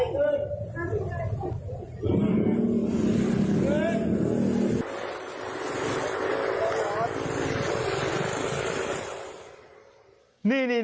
ดูเองของดูหายวีดีโอ